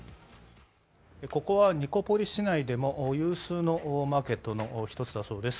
ここはニコポリ市内でも有数のマーケットの１つだそうです。